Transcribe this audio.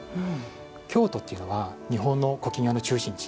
京都というのは日本の苔庭の中心地